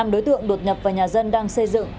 năm đối tượng đột nhập vào nhà dân đang xây dựng